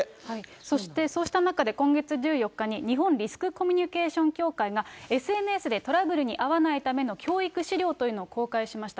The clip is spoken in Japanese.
そしてそうした中で、今月１４日に日本リスクコミュニケーション協会が、ＳＮＳでトラブルに遭わないための教育資料というのを公開しました。